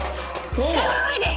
近寄らないで！